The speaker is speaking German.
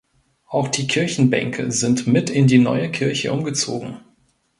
Auch die Kirchenbänke sind mit in die neue Kirche umgezogen.